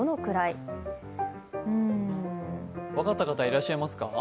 分かった方、いらっしゃいますか？